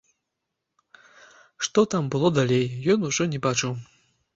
Што там было далей, ён ужо не бачыў.